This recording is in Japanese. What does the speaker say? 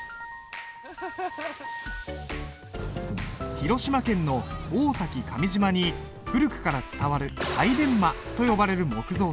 広島県の大崎上島に古くから伝わる櫂伝馬と呼ばれる木造船。